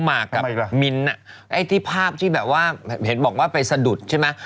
หมากกับมิ้นท์ไอ้ที่ภาพที่แบบว่าเห็นบอกว่าไปสะดุดใช่ไหม